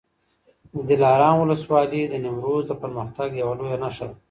د دلارام ولسوالي د نیمروز د پرمختګ یوه لویه نښه ده.